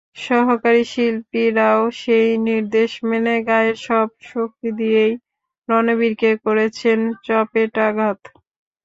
সহকারী শিল্পীরাও সেই নির্দেশ মেনে গায়ের সর্ব শক্তি দিয়েই রণবীরকে করেছেন চপেটাঘাত।